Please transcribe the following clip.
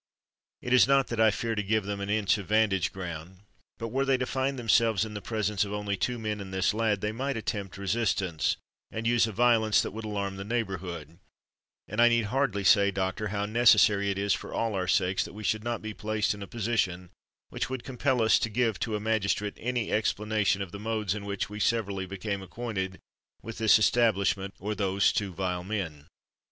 "It is not that I fear to give them an inch of vantage ground; but were they to find themselves in the presence of only two men and this lad, they might attempt resistance, and use a violence that would alarm the neighbourhood;—and I need hardly say, doctor, how necessary it is for all our sakes that we should not be placed in a position which would compel us to give to a magistrate any explanation of the modes in which we severally became acquainted with this establishment or those two vile men."